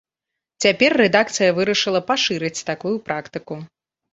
Цяпер рэдакцыя вырашыла пашырыць такую практыку.